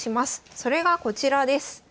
それがこちらです。